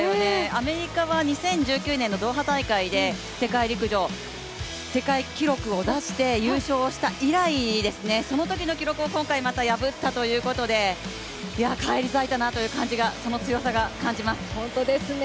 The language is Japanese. アメリカは２０１９年のドーハ大会で、世界陸上、世界記録を出して優勝をした以来ですね、そのときの記録をまた今回破ったということで返り咲いたなという感じが、その強さを感じます。